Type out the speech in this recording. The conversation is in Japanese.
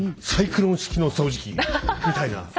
サイクロン式の掃除機みたいな。